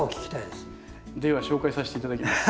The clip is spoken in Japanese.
では紹介させて頂きます。